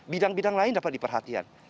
bidang bidang lain dapat diperhatikan